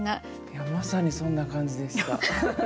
いやまさにそんな感じでした。